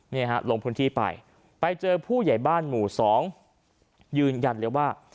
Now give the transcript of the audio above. นี่ฮะลงพื้นที่ไปไปเจอผู้ใหญ่บ้านหมู่๒ยืนยันเลยว่า